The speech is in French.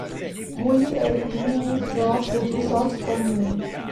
Moulis est limitrophe de douze autres communes.